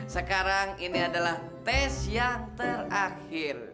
sekarang ini adalah tes yang terakhir